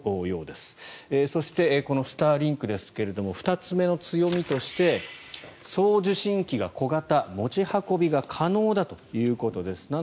そして、このスターリンクですが２つ目の強みとして送受信機が小型持ち運びが可能だということです。